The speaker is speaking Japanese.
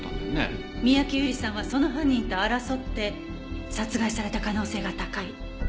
三宅由莉さんはその犯人と争って殺害された可能性が高い。